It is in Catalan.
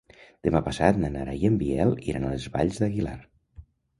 Demà passat na Nara i en Biel iran a les Valls d'Aguilar.